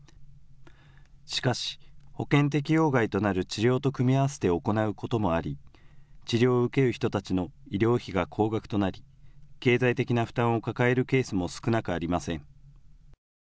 しかし保険適用外となる治療と組み合わせて行うこともあり治療を受ける人たちの医療費が高額となり経済的な負担を抱えるケースも少なくありません。